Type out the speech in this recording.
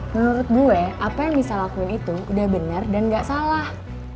menurut gue apa yang bisa lakuin itu udah benar dan gak salah